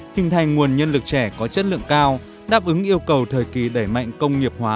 hình thành nguồn nhân lực trẻ có chất lượng cao đáp ứng yêu cầu thời kỳ đẩy mạnh công nghiệp hóa